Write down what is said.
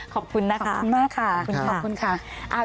ขอบคุณนะคะขอบคุณค่ะ